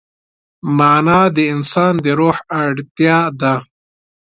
معنی د انسان د روح اړتیا ده.